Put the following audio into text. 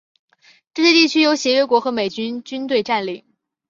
这些地区由协约国和美国军队占领。